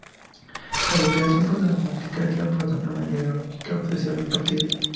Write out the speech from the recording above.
La Declaración Programática es la plataforma ideológica oficial del partido.